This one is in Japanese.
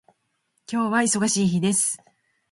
今日は忙しい日です。